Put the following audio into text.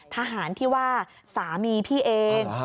ทหารที่ว่าสามีพี่เอง